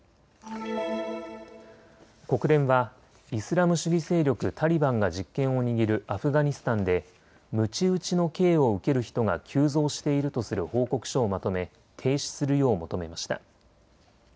国連はイスラム主義勢力タリバンが実権を握るアフガニスタンでむち打ちの刑を受ける人が急増しているとする報告書をまとめ停止するよう求めました。